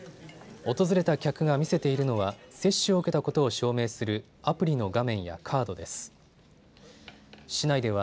訪れた客が見せているのは接種を受けたことを証明するアプリの画面やカードです。